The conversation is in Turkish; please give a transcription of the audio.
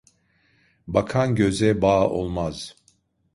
Bakan göze bağ olmaz.